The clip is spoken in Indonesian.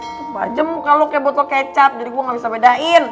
tepat aja muka lo kayak botol kecap jadi gue gak bisa bedain